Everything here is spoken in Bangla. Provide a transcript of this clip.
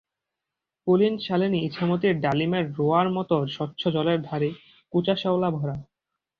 পুলিনশালিনী ইছামতীর ডালিমের রোয়ার মতো স্বচ্ছ জলের ধারে, কুচা শ্যাওলা ভরা।